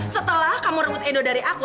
setelah kamu rebut edo dari aku